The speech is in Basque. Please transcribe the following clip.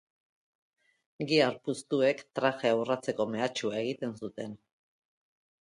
Gihar puztuek trajea urratzeko mehatxua egiten zuten.